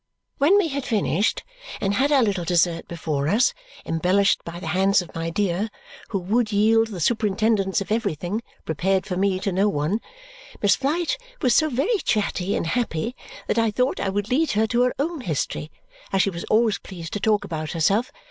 When we had finished and had our little dessert before us, embellished by the hands of my dear, who would yield the superintendence of everything prepared for me to no one, Miss Flite was so very chatty and happy that I thought I would lead her to her own history, as she was always pleased to talk about herself.